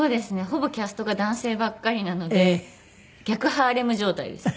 ほぼキャストが男性ばっかりなので逆ハーレム状態です。